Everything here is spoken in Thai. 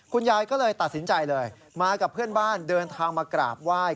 คุณยายก็เลยตัดสินใจเลยมากับเพื่อนบ้านเดินทางมากราบไหว้